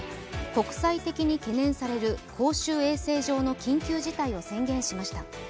国際的に懸念される公衆衛生上の緊急事態を宣言しました。